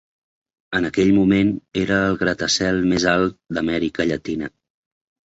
En aquell moment, era el gratacel més alt d'Amèrica Llatina.